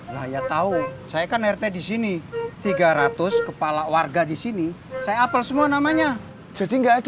lah ya tahu saya kan rt di sini tiga ratus kepala warga di sini saya apel semua namanya jadi enggak ada